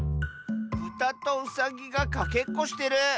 ぶたとうさぎがかけっこしてる！